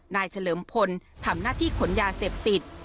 เฉลิมพลทำหน้าที่ขนยาเสพติด